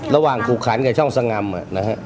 ระหว่างขู่ขันกับช่องสง่ำอ่ะนะฮะ